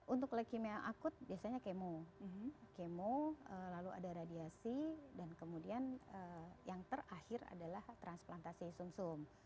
untuk leukemia akut biasanya kemo kemo lalu ada radiasi dan kemudian yang terakhir adalah transplantasi sum sum